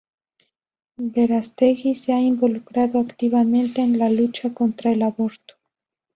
Verástegui se ha involucrado activamente en la lucha contra el aborto.